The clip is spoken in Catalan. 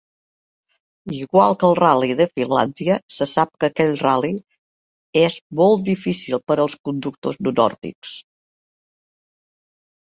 Igual que el Ral·li de Finlàndia, se sap que aquest ral·li és molt difícil per als conductors no nòrdics.